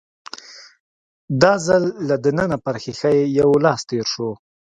دا ځل له دننه پر ښيښه يو لاس تېر شو.